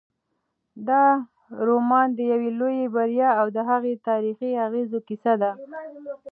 دا رومان د یوې لویې بریا او د هغې د تاریخي اغېزو کیسه ده.